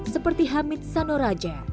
seperti hamid sanoraja